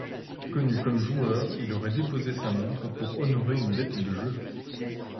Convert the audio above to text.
Connu comme joueur, il aurait déposé sa montre pour honorer une dette de jeu.